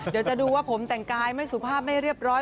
เดี๋ยวจะดูว่าผมแต่งกายไม่สุภาพไม่เรียบร้อย